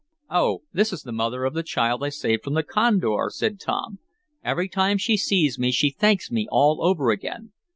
"Oh, this is the mother of the child I saved from the condor," said Tom. "Every time she sees me she thanks me all over again.